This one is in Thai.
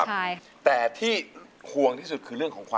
อายุ๒๔ปีวันนี้บุ๋มนะคะ